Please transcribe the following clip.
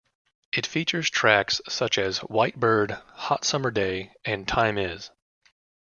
It features tracks such as "White Bird", "Hot Summer Day", and "Time Is".